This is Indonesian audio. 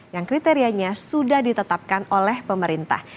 yang kriterianya sudah ditetapkan oleh pemerintah